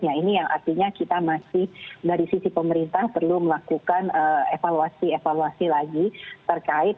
ya ini yang artinya kita masih dari sisi pemerintah perlu melakukan evaluasi evaluasi lagi terkait